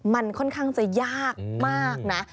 มันค่อนข้างจะยากมากนะ